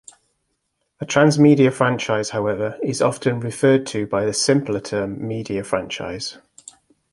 A transmedia franchise however is often referred to by the simpler term media franchise.